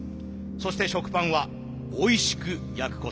そして食パンはおいしく焼くこと。